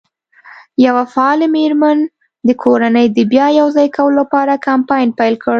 یوه فعالې مېرمن د کورنۍ د بیا یو ځای کولو لپاره کمپاین پیل کړ.